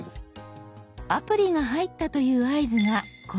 アプリが入ったという合図がこの「開く」。